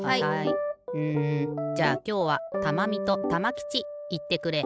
うんじゃあきょうはたまみとたまきちいってくれ。